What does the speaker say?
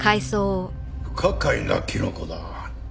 不可解なキノコだ。